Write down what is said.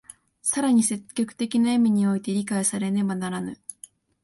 更に積極的な意味において理解されねばならぬ。